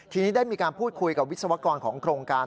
ทีนี้ได้มีการพูดคุยกับวิศวกรของโครงการ